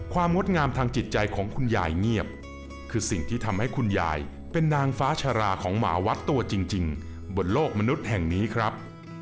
งดงามทางจิตใจของคุณยายเงียบคือสิ่งที่ทำให้คุณยายเป็นนางฟ้าชาราของหมาวัดตัวจริงบนโลกมนุษย์แห่งนี้ครับ